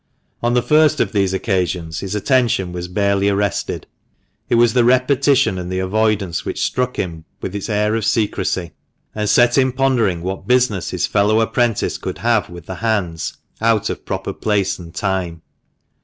On the first of these occasions his attention was barely arrested ; it was the repetition and the avoidance which struck him with its air of secrecy, and set him pondering what business his fellow apprentice could have with the hands out of proper place and time.